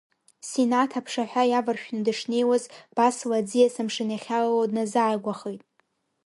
Синаҭ аԥшаҳәа иаваршәны дышнеиуаз, Басла аӡиас амшын иахьалало дназааигәахеит.